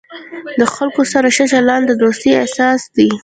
د خلکو سره ښه چلند، د دوستۍ اساس دی.